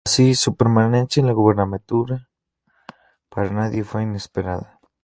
Así, su permanencia en la gubernatura para nadie fue inesperada.